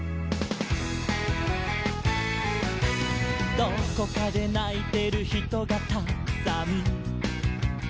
「どこかでないてるひとがたくさん」